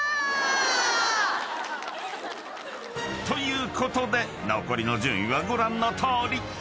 ［ということで残りの順位はご覧のとおり］